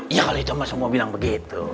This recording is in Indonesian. ya kalau itu emang semua bilang begitu